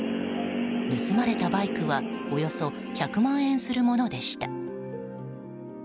盗まれたバイクはおよそ１００万円するものでした。